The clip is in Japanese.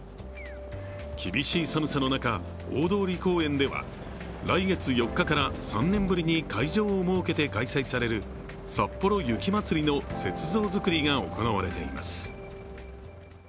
厳しい寒さの中大通公園では来月４日から３年ぶりに会場を設けて開催されるさっぽろ雪まつりの雪像作りが行われています。